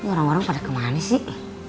orang orang pada kemana sih